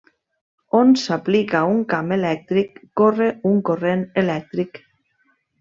On s'aplica un camp elèctric corre un corrent elèctric.